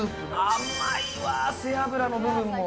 甘いわー、背脂の部分も。